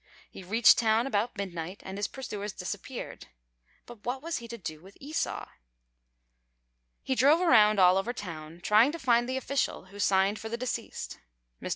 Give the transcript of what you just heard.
He reached town about midnight, and his pursuers disappeared. But what was he to do with Esau? He drove around all over town, trying to find the official who signed for the deceased. Mr.